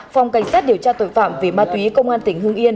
phòng cảnh sát điều trao tội phạm về ma túy công an tỉnh hương yên